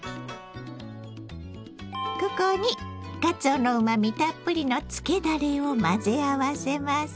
ここにかつおのうまみたっぷりのつけだれを混ぜ合わせます。